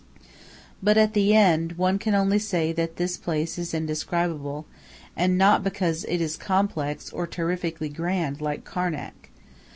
But at the end, one can only say that this place is indescribable, and not because it is complex or terrifically grand, like Karnak.